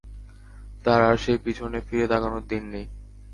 তার আর সেই পিছনে ফিরে তাকানোর দিন নাই!